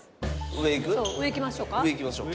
上行きましょう。